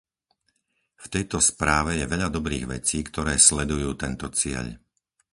V tejto správe je veľa dobrých vecí, ktoré sledujú tento cieľ.